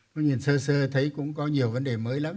có nhìn sơ sơ sơ thấy cũng có nhiều vấn đề mới lắm